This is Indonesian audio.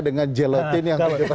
dengan gelotin yang dipercaya